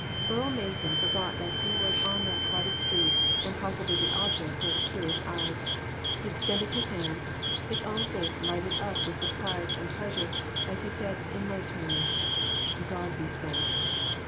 Earle Mason forgot that he was on the crowded street, and possibly the object of curious eyes. He extended his hand, his own face lighted up with surprise and pleas ure, as he said, in low tones "God be thanked."